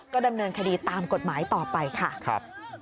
ก็ดำเนินคดีตามกฎหมายต่อไปค่ะ